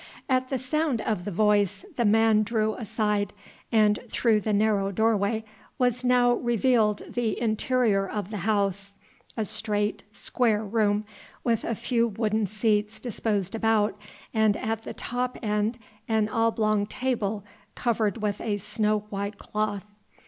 At the sound of the voice the man drew aside, and through the narrow doorway was now revealed the interior of the house a straight, square room, with a few wooden seats disposed about, and at the top end an oblong table covered with a snow white cloth.